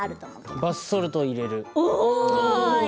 バスソルトを入れる。